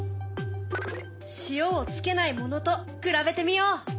塩をつけないものと比べてみよう。